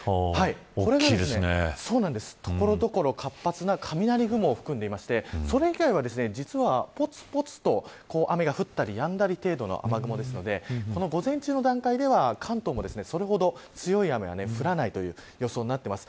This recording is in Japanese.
これが、所々活発な雷雲を含んでいましてそれ以外は、実はぽつぽつと雨が降ったりやんだり程度の雨雲ですので午前中の段階では関東もそれほど強い雨は降らないという予想になっています。